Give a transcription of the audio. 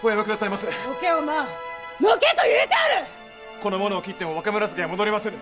この者を斬っても若紫は戻りませぬ！